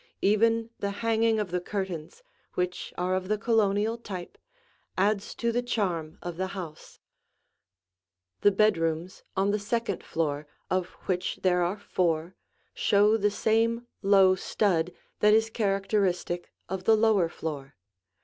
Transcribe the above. Even the hanging of the curtains, which are of the Colonial type, adds to the charm of the house. [Illustration: The Out door Living Room] The bedrooms, on the second floor, of which there are four, show the same low stud that is characteristic of the lower floor.